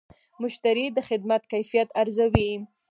مشتری د خدمت کیفیت ارزوي.